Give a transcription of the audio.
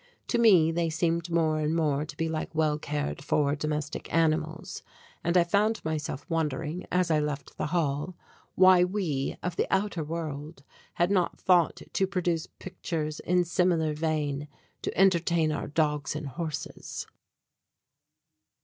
To me they seemed more and more to be like well cared for domestic animals, and I found myself wondering, as I left the hall, why we of the outer world had not thought to produce pictures in similar vein to entertain our dogs and horses.